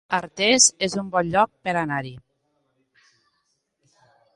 Artés es un bon lloc per anar-hi